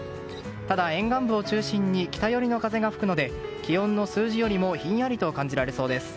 ただ、沿岸部を中心に北寄りの風が吹くので気温の数字よりもひんやりと感じられそうです。